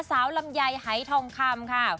สาวลำไยไฮทองคำค่ะ